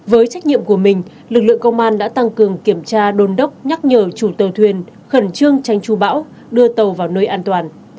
với trách nhiệm của mình lực lượng công an đã tăng cường kiểm tra đôn đốc nhắc nhở chủ tàu thuyền khẩn trương tranh tru bão đưa tàu vào nơi an toàn